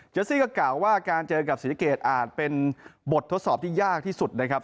ซี่ก็กล่าวว่าการเจอกับศรีสะเกดอาจเป็นบททดสอบที่ยากที่สุดนะครับ